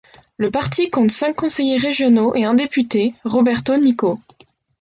Le parti compte cinq conseillers régionaux et un député, Roberto Nicco.